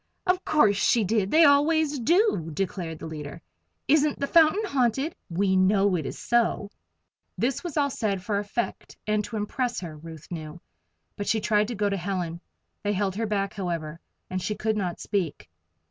"Of course she did they always do," declared the leader. "Isn't the fountain haunted? We know it is so." This was all said for effect, and to impress her, Ruth knew. But she tried to go to Helen. They held her back, however, and she could not speak.